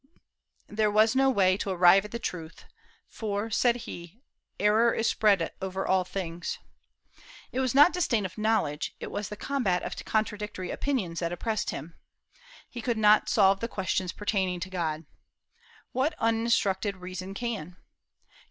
There was no way to arrive at the truth, "for," said he, "error is spread over all things." It was not disdain of knowledge, it was the combat of contradictory opinions that oppressed him. He could not solve the questions pertaining to God. What uninstructed reason can?